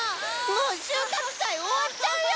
もう収穫祭終わっちゃうよおお！